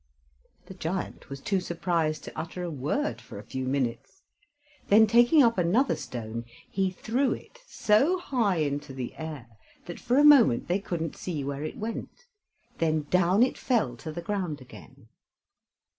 The giant was too surprised to utter a word for a few minutes; then, taking up another stone, he threw it so high into the air that for a moment they couldn't see where it went; then down it fell to the ground again.